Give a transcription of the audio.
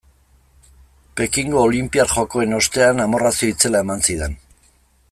Pekingo olinpiar jokoen ostean amorrazio itzela eman zidan.